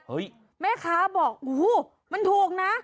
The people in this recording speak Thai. แม่ค้าบอกโอ้โหมันถูกนะ